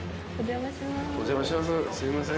お邪魔します